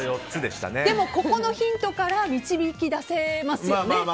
このヒントから導き出せますよね。